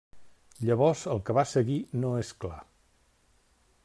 Llavors el que va seguir no és clar.